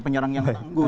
penyerang yang tangguh